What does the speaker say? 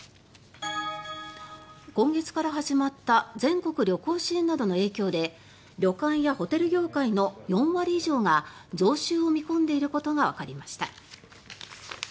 今月から始まった全国旅行支援などの影響で旅館やホテル業界の４割以上が増収を見込んでいることがわかりました。